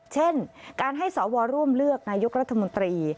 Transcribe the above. เช่นการให้สวร่วมเลือกนายกรัฐมนตรี